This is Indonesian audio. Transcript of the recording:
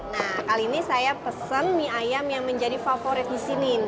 nah kali ini saya pesen mie ayam yang menjadi favorit di sini